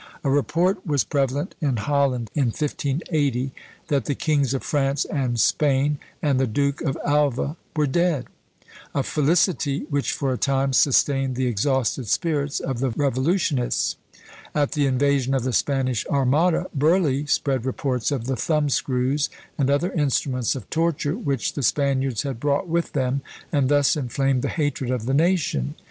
A report was prevalent in Holland in 1580, that the kings of France and Spain and the Duke of Alva were dead; a felicity which for a time sustained the exhausted spirits of the revolutionists. At the invasion of the Spanish Armada, Burleigh spread reports of the thumb screws, and other instruments of torture, which the Spaniards had brought with them, and thus inflamed the hatred of the nation.